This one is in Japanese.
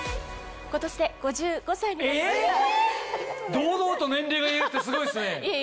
⁉堂々と年齢が言えるってすごいですね。